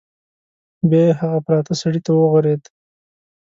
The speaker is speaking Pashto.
بیا یې هغه پراته سړي ته وغوریده.